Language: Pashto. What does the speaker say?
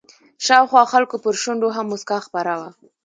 شاوخوا خلکو پر شونډو هم مسکا خپره وه.